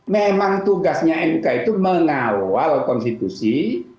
memang tugasnya mk itu mengawal konstitusi